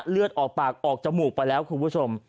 เลือดออกปากออกจมูกไปแล้วคุณผู้ชม